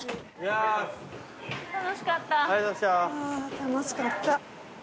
あー楽しかった。